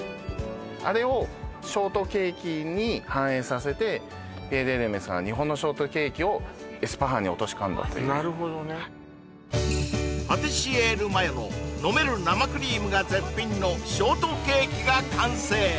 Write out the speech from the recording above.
あれをショートケーキに反映させてピエール・エルメさんが日本のショートケーキをなるほどねパティシエールマヨの飲める生クリームが絶品のショートケーキが完成